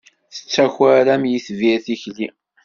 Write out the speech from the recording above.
Tettaker am yitbir tikli.